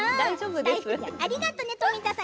ありがとうね富田さん